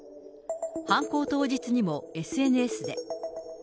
犯行当日にもＳＮＳで。